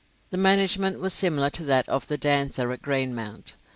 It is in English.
The management was similar to that of Dancer at Greenmount.